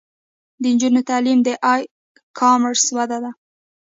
د نجونو تعلیم د ای کامرس وده ده.